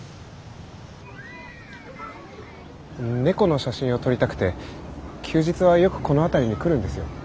猫の写真を撮りたくて休日はよくこの辺りに来るんですよ。